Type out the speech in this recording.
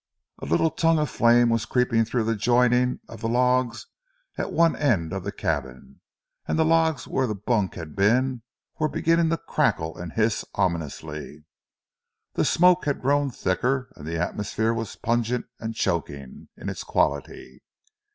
A little tongue of flame was creeping through the joining of the logs at one end of the cabin, and the logs where the bunk had been were beginning to crackle and hiss ominously. The smoke had grown thicker, and the atmosphere was pungent and choking in its quality.